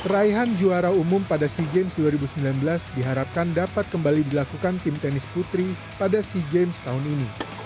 raihan juara umum pada sea games dua ribu sembilan belas diharapkan dapat kembali dilakukan tim tenis putri pada sea games tahun ini